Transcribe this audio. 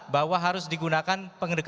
bahwa harus digunakan